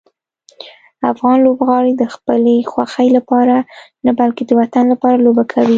افغان لوبغاړي د خپلې خوښۍ لپاره نه، بلکې د وطن لپاره لوبه کوي.